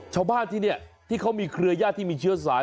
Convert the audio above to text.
ชาวบ้านที่นี่ที่เขามีเครือญาติที่มีเชื้อสาย